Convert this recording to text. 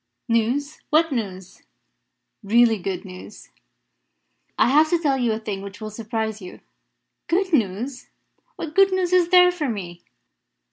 "News? What news?" "Really good news. I have to tell you a thing which will surprise you." "Good news? What good news is there for me?"